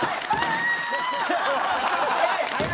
早い。